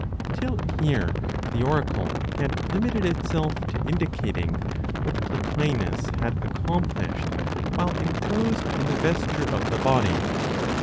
Till here the oracle had limited itself to indicating what Plotinos had accomplished while enclosed in the vesture of the body.